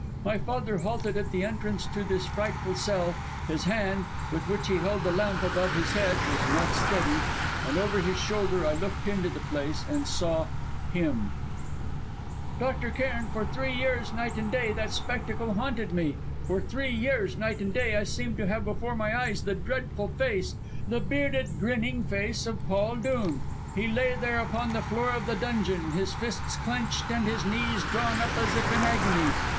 My father halted at the entrance to this frightful cell; his hand, with which he held the lamp above his head, was not steady; and over his shoulder I looked into the place and saw ... him. "Dr. Cairn, for three years, night and day, that spectacle haunted me; for three years, night and day, I seemed to have before my eyes the dreadful face the bearded, grinning face of Paul Dhoon. He lay there upon the floor of the dungeon, his fists clenched and his knees drawn up as if in agony.